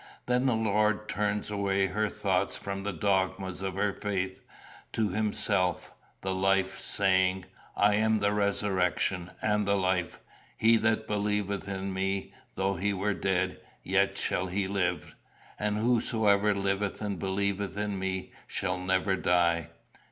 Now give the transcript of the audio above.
Then the Lord turns away her thoughts from the dogmas of her faith to himself, the Life, saying, 'I am the resurrection and the life: he that believeth in me, though he were dead, yet shall he live. And whosoever liveth and believeth in me, shall never die.